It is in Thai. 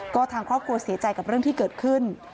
ก็ทางครอบครัวเสียใจกับเรื่องที่เกิดขึ้น